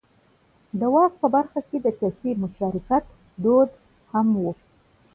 د واک په برخه کې د سیاسي مشارکت دود هم و.